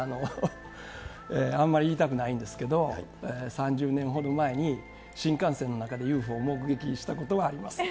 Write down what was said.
あんまり言いたくないんですけど、３０年ほど前に新幹線の中でＵＦＯ目撃したことはあります。